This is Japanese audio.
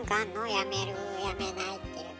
やめるやめないっていうの。